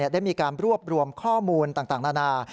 ได้มีการรวบรวมข้อมูลต่างนานา